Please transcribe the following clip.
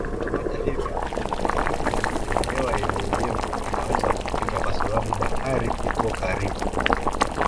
Hata hivyo wakati mwingine hewa yenye unyevu inaweza kufika kwa sababu bahari iko karibu.